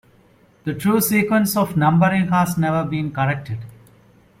The true sequence of numbering has never been corrected.